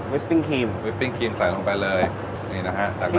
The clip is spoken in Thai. ปปิ้งครีมวิปปิ้งครีมใส่ลงไปเลยนี่นะฮะ